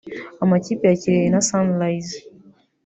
Amakipe ya Kirehe na Sunrise